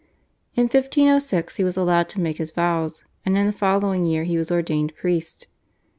In 1506 he was allowed to make his vows, and in the following year he was ordained priest.